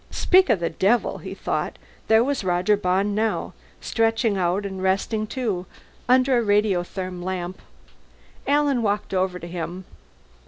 Speak of the devil, he thought. There was Roger Bond now, stretched out and resting too under a radiotherm lamp. Alan walked over to him.